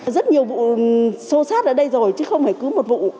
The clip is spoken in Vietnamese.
rất nhiều vụ sâu sát ở đây rồi chứ không phải cứ một vụ